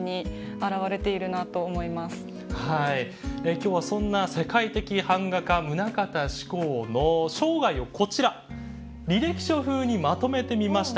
今日はそんな世界的板画家棟方志功の生涯をこちら履歴書風にまとめてみました。